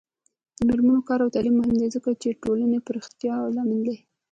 د میرمنو کار او تعلیم مهم دی ځکه چې ټولنې پراختیا لامل دی.